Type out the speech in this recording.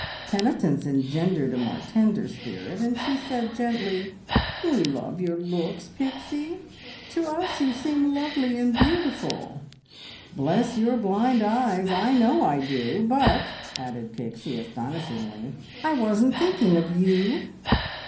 Penitence engendered a more tender spirit, and she said gently "We love your looks, Pixie. To us you seem lovely and beautiful." "Bless your blind eyes! I know I do. But," added Pixie astonishingly, "I wasn't thinking of you!"